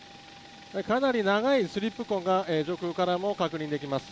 かなり長いスリップ痕が上空からも確認できます。